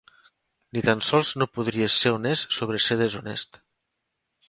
Ni tan sols no podries ser honest sobre ser deshonest.